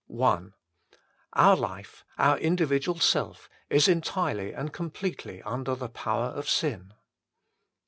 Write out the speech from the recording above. I Our life, our individual self, is entirely and completely under the power of sin.